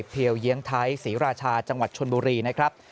เพียวเยียงไทยศรีราชาจังหวัดชนบุรีนะครับ